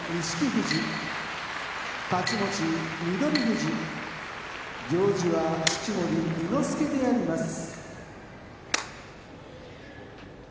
富士行司は式守伊之助であります。